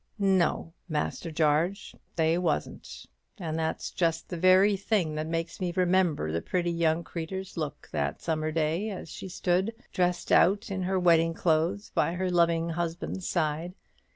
"No, Master Jarge, they wasn't. And that's just the very thing that makes me remember the pretty young creetur's look that summer's day, as she stood, dresssed out in her wedding clothes, by her loving husband's side.